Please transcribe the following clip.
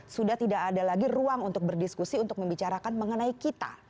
sudah tidak ada lagi ruang untuk berdiskusi untuk membicarakan mengenai kita